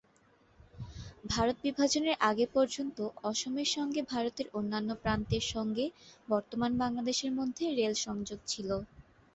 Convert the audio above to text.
ভারত বিভাজনের আগে পর্যন্ত অসমের সঙ্গে ভারতের অন্যান্য প্রান্তের সঙ্গে বর্তমান বাংলাদেশের মধ্যে রেল সংযোগ ছিল।